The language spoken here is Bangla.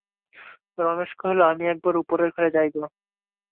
রমেশ কহিল, আমি একবার উপরের ঘরে যাইব।